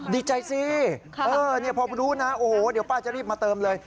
ดีใจสิพอรู้นะโอ้โหเดี๋ยวป้าจะรีบมาเติมเลย